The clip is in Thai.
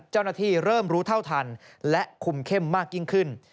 เจ้าหน้าที่เริ่มรู้เท่าทันและคุมเข้มมากยิ่งขึ้น